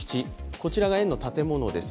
こちらが園の建物です。